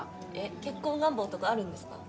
結婚願望とかあるんですか？